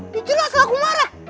ya jelas lah aku marah